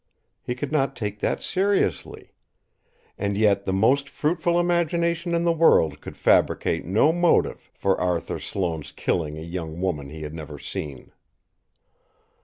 He could not take that seriously. And yet the most fruitful imagination in the world could fabricate no motive for Arthur Sloane's killing a young woman he had never seen.